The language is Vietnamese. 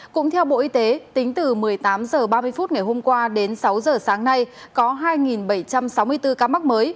cũng theo bộ y tế tính từ một mươi tám h ba mươi phút ngày hôm qua đến sáu giờ sáng nay có hai bảy trăm sáu mươi bốn ca mắc mới